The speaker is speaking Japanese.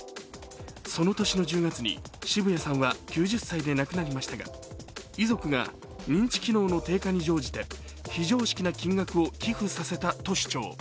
その年の１０月に澁谷さんは９０歳で亡くなりましたが遺族が認知機能の低下に乗じて非常資金な金額を寄付させたと主張。